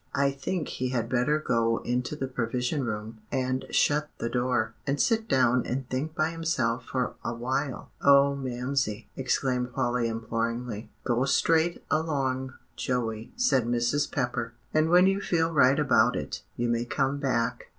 I think he had better go into the Provision Room, and shut the door, and sit down and think by himself for a while." "O Mamsie!" exclaimed Polly imploringly. "Go straight along, Joey," said Mrs. Pepper; "and when you feel right about it, you may come back."